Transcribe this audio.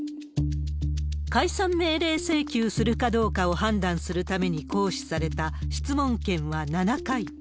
解散命令請求するかどうかを判断するために行使された質問権は７回。